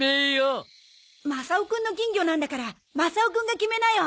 マサオくんの金魚なんだからマサオくんが決めなよ。